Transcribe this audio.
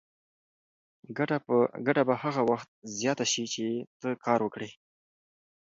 ګټه به هغه وخت زیاته شي چې ته کار وکړې.